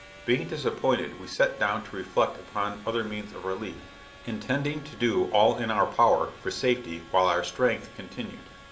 Being disappointed, we set down to reflect upon other means of relief, intending to do all in our power for safety while our strength continued.